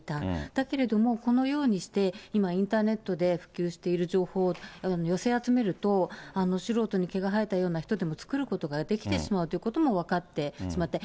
だけれどもこのようにして、今インターネットで普及している情報を寄せ集めると、素人に毛が生えたような人でも作ることができてしまうということも分かってしまった。